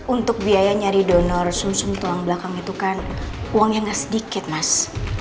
untuk biaya nyari donor sum sum tulang belakang itu kan uangnya nggak sedikit mas